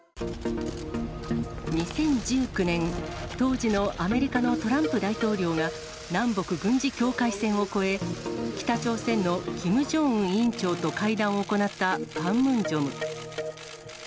２０１９年、当時のアメリカのトランプ大統領が、南北軍事境界線を越え、北朝鮮のキム・ジョンウン委員長と会談を行ったパンムンジョム。